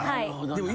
でも。